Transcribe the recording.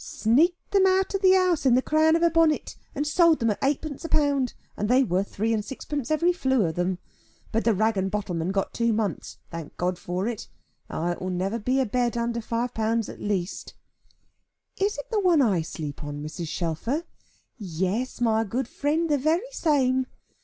"Sneaked them out of the house in the crown of her bonnet, and sold them at eightpence a pound, and they worth three and sixpence, every flue of them. But the rag and bottleman got two months, thank God for it. Ah, it will never be a bed again under 5*l.* at least." "Is it the one I sleep on, Mrs. Shelfer?" "Yes, my good friend, the very same."